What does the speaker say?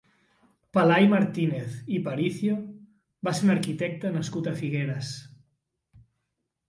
Pelai Martínez i Paricio va ser un arquitecte nascut a Figueres.